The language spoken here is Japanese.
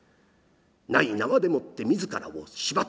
ない縄でもって自らを縛ってしまう。